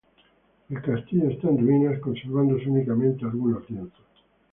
El castillo está en ruinas, conservándose únicamente algunos lienzos.